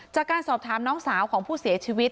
จากการสอบถามน้องสาวของผู้เสียชีวิต